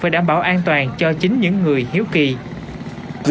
đó là em cung vi